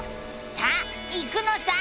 さあ行くのさ！